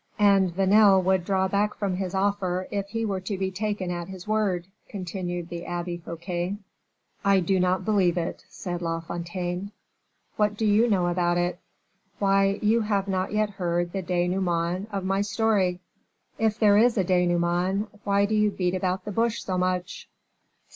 "And Vanel would draw back from his offer if he were to be taken at his word," continued the Abbe Fouquet. "I do not believe it," said La Fontaine. "What do you know about it?" "Why, you have not yet heard the denouement of my story." "If there is a denouement, why do you beat about the bush so much?"